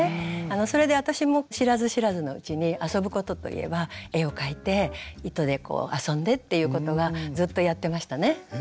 それで私も知らず知らずのうちに遊ぶことといえば絵を描いて糸で遊んでっていうことがずっとやってましたね。